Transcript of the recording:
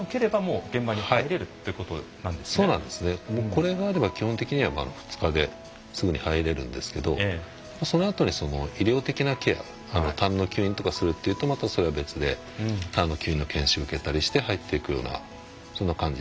これがあれば基本的には２日ですぐに入れるんですけどそのあとに医療的なケアたんの吸引とかするっていうとまたそれは別でたんの吸引の研修を受けたりして入っていくようなそんな感じ。